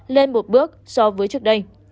lên một bước so với trước đây